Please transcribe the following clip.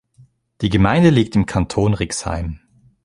Die Gemeinde liegt im Kanton Rixheim.